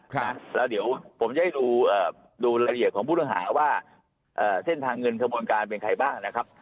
แล้วเดี๋ยวผมจะให้ดูรายละเอียดของผู้ต้องหาว่าเส้นทางเงินขบวนการเป็นใครบ้างนะครับ